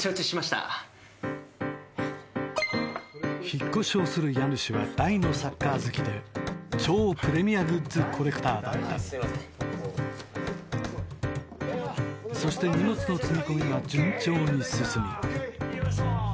引っ越しをする家主は大のサッカー好きで超プレミアグッズコレクターだったそして荷物の積み込みは順調に進みよいしょ。